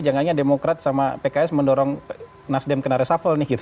jangan jangan demokrat sama pks mendorong nas demikian kena resafel